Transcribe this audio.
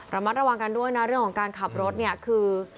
ระมัดระวังกันด้วยนะเรื่องของการขับรถเนี่ยคือ